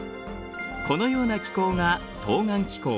このような気候が東岸気候。